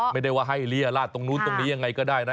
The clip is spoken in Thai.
ไม่ได้ว่าให้เรียราชตรงนู้นตรงนี้ยังไงก็ได้นะ